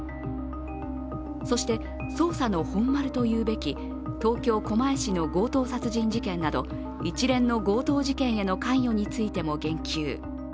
そして、捜査の本丸というべき東京・狛江市の強盗殺人事件など一連の強盗事件への関与についても言及。